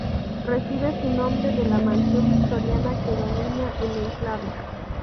Recibe su nombre de la mansión victoriana que domina el enclave.